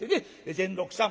善六さん